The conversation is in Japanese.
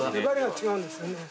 粘りが違うんですね。